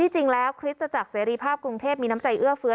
จริงแล้วคริสตจักรเสรีภาพกรุงเทพมีน้ำใจเอื้อเฟื้อ